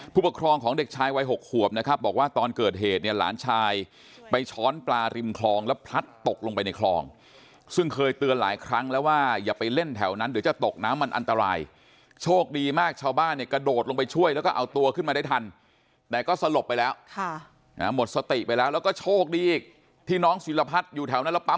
ผู้ปกครองของเด็กชายวัย๖ขวบนะครับบอกว่าตอนเกิดเหตุเนี่ยหลานชายไปช้อนปลาริมคลองแล้วพลัดตกลงไปในคลองซึ่งเคยเตือนหลายครั้งแล้วว่าอย่าไปเล่นแถวนั้นเดี๋ยวจะตกน้ำมันอันตรายโชคดีมากชาวบ้านเนี่ยกระโดดลงไปช่วยแล้วก็เอาตัวขึ้นมาได้ทันแต่ก็สลบไปแล้วหมดสติไปแล้วแล้วก็โชคดีอีกที่น้องศิรพัฒน์อยู่แถวนั้นแล้วปั